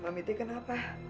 mami teh kenapa